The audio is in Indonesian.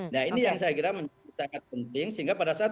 nah ini yang saya kira menjadi sangat penting sehingga pada saat